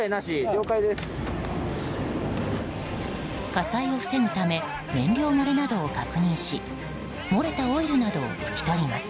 火災を防ぐため燃料漏れなどを確認し漏れたオイルなどを拭き取ります。